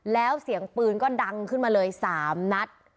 แล้วเสียงปืนก็ดังขึ้นมาเลย๓นัด